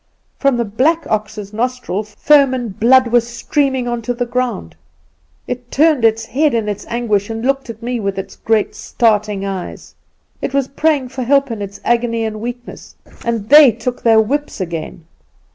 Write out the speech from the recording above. From the black ox's nostrils foam and blood were streaming on to the ground. It turned its head in its anguish and looked at me with its great starting eyes. It was praying for help in its agony and weakness, and they took their whips again.